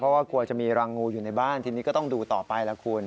เพราะว่ากลัวจะมีรังงูอยู่ในบ้านทีนี้ก็ต้องดูต่อไปล่ะคุณ